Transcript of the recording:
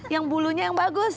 yang bulunya yang bagus